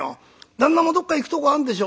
旦那もどっか行くとこあるんでしょ？」。